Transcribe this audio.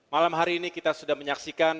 malam hari ini kita sudah menyaksikan